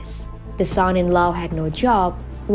anak anaknya tidak punya pekerjaan